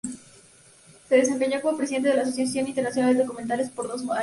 Se desempeñó como presidente de la Asociación Internacional de Documentales por dos años.